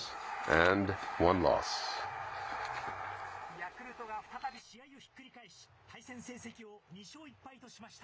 ヤクルトが再び試合をひっくり返し、対戦成績を２勝１敗としました。